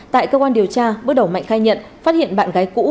tại cơ quan điều tra bước đầu mạnh khai nhận phát hiện bạn gái cũ